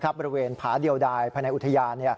บริเวณผาเดียวดายภายในอุทยาน